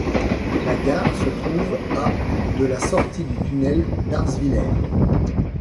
La gare se trouve à de la sortie du tunnel d'Arzviller.